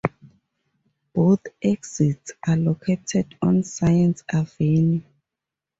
Both exits are located on Science Avenue.